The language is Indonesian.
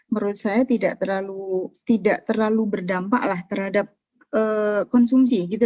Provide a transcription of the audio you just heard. menurut saya tidak terlalu berdampak terhadap konsumsi